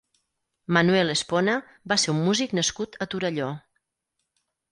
Manuel Espona va ser un músic nascut a Torelló.